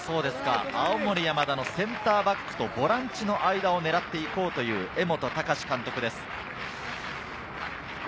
青森山田のセンターバックとボランチの間を狙っていこうという江本孝監督です。